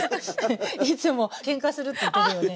いつもけんかするって言ってるよね？